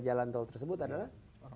jalan tol tersebut adalah